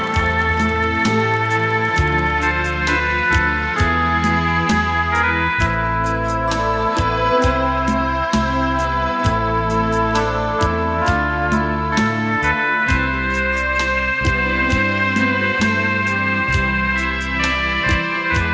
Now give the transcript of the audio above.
โชคดีคุณแนน